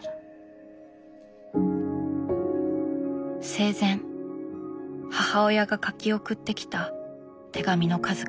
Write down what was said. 生前母親が書き送ってきた手紙の数々。